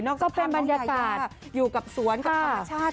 นอกจากภาพน้องยาอยู่กับสวนกับธรรมชาติ